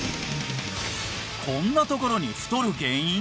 こんなところに太る原因！？